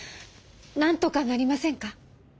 なんとかなりませんか？